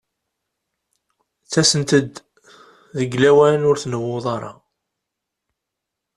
Ttasent-d deg lawan ur tnewwuḍ ara.